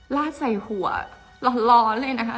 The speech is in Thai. ลาดใส่หัวร้อนเลยนะคะ